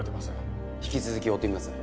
引き続き追ってみます。